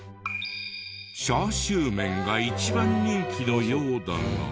チャーシューメンが一番人気のようだが。